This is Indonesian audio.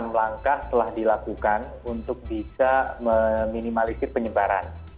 enam langkah telah dilakukan untuk bisa meminimalisir penyebaran